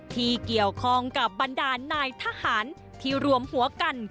ที่เกี่ยวข้องกับบรรดานายทหารที่รวมหัวกัน